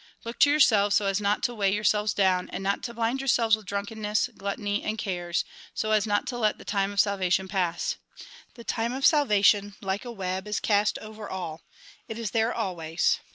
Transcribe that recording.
" Look to yourselves, so as not to weigh your selves down, and not to blind yourselves with drvmkenness, gluttony, and cares ; so as not to let the time of salvation pass. The time of salvation, like a web, is cast over all ; it is there always.